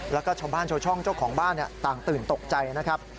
แล้วก็ชาวบ้านชาวช่องเจ้าของบ้านต่างตื่นตกใจนะครับ